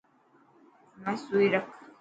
همي سوئي رهه.